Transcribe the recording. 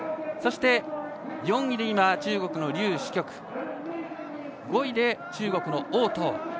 そして４位で中国の劉子旭。５位で中国の王濤。